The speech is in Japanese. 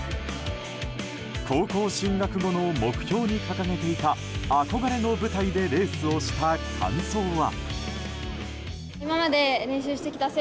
高校進学後の目標に掲げていた憧れの舞台でレースをした感想は。